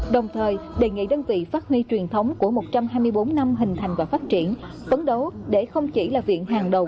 đồng thời đề nghị đơn vị phát huy truyền thống của một trăm hai mươi bốn năm hình thành và phát triển phấn đấu để không chỉ là viện hàng đầu